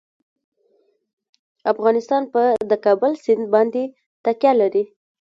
افغانستان په د کابل سیند باندې تکیه لري.